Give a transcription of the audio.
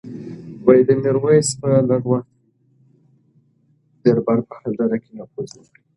میرویس په لږ وخت کې د دربار په هره ډله کې نفوذ وکړ.